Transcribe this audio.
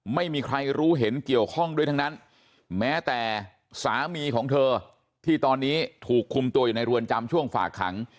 ไม่มีใครรู้เห็นเกี่ยวข้องด้วยทั้งนั้นแม้แต่สามีของเธอที่ตอนนี้ถูกคุมตัวอยู่ในเรือนจำช่วงฝากขัง